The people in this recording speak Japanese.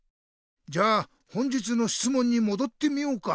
じゃあ本日のしつもんにもどってみようか。